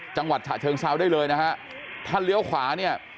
จังหวัดถะเชิงซาวได้เลยนะฮะถ้าเลี้ยวขวาเนี่ย